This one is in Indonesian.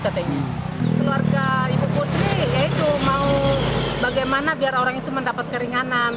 keluarga ibu putri ya itu mau bagaimana biar orang itu mendapat keringanan